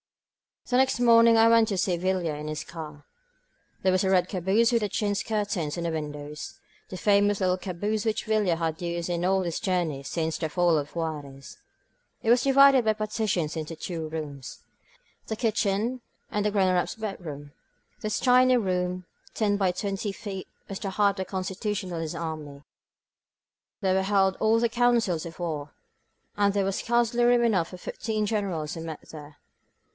The next morning I went to see Villa in his car. This was a red caboose with chintz curtains on the windows, the famous little caboose which Villa has used in all his journeys since the fall of Juarez. It was divided by partitions into two rooms — ^the kitchen and the Gren eraPs bedroom. This tiny room, ten by twenty feet, was the heart of the Constitutionalist army. There were held all the councils of war, and there was scarcely room enough for the fifteen Generals who met there.